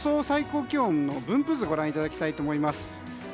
最高気温の分布図をご覧いただきたいと思います。